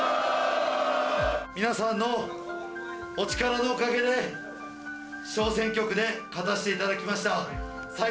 皆さんのお力のおかげで、小選挙区で勝たせていただきました。